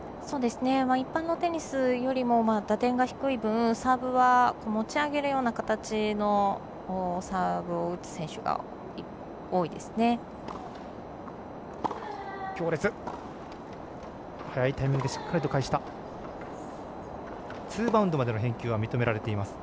一般のテニスより打点が低い分サーブは持ち上げるような形のサーブを打つ選手が多いですね。